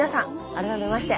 改めまして。